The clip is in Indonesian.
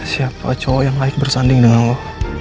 siapa cowok yang baik bersanding dengan lo